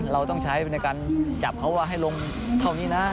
เราต้องใช้ในการจับเขาว่าให้ลงเท่านี้นะ